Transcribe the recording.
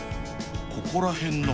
ここら辺のはず